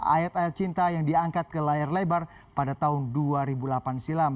ayat ayat cinta yang diangkat ke layar lebar pada tahun dua ribu delapan silam